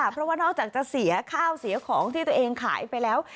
เพราะว่านอกจากจะเสียข้าวเสียของที่ตัวเองขายไปแล้ว